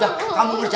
satu lagi ularnya